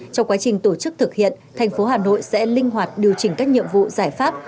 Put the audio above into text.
trong quá trình tổ chức thực hiện thành phố hà nội sẽ linh hoạt điều chỉnh các nhiệm vụ giải pháp